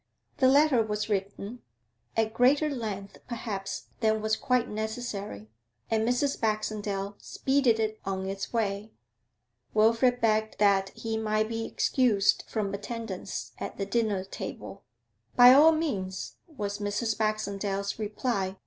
The letter was written, at greater length perhaps than was quite necessary, and Mrs. Baxendale speeded it on its way. Wilfrid begged that he might be excused from attendance at the dinner table. 'By all means,' was Mrs. Baxendale's reply.